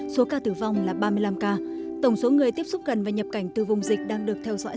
số ca tử vong là ba mươi năm ca tổng số người tiếp xúc gần và nhập cảnh từ vùng dịch đang được theo dõi